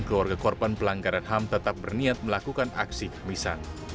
keluarga korban pelanggaran ham tetap berniat melakukan aksi kemisan